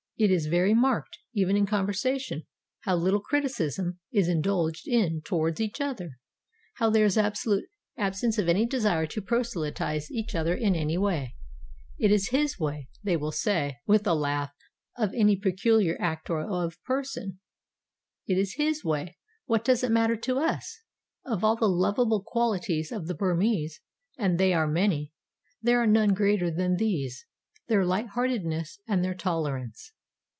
It is very marked, even in conversation, how little criticism is indulged in towards each other, how there is an absolute absence of desire to proselytize each other in any way. 'It is his way,' they will say, with a laugh, of any peculiar act of any person; 'it is his way. What does it matter to us?' Of all the lovable qualities of the Burmese, and they are many, there are none greater than these their light heartedness and their tolerance.